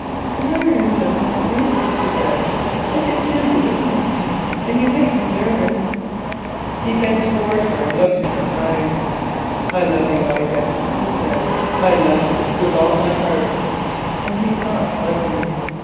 "Why are you looking at me?" she said. "I can feel you looking at me and it makes me nervous." He bent towards her and looked her in the eyes. "I love you, Ida," he said, "I love you with all my heart," and he stopped suddenly.